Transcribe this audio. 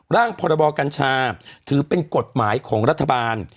ร่างพรบกัญชาถือเป็นกฎหมายของรัฐบาล